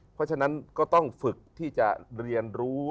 เพราะฉะนั้นก็ต้องฝึกที่จะเรียนรู้